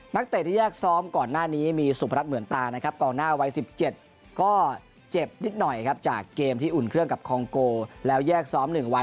เตะที่แยกซ้อมก่อนหน้านี้มีสุพรัชเหมือนตานะครับกองหน้าวัย๑๗ก็เจ็บนิดหน่อยครับจากเกมที่อุ่นเครื่องกับคองโกแล้วแยกซ้อม๑วัน